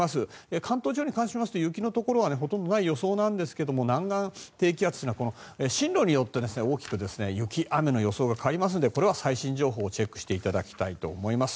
関東地方に関しますと雪のところはほとんどない予想なんですが南岸低気圧の進路によって大きく雪雨の予想が変わりますのでこれは最新情報をチェックしていただきたいと思います。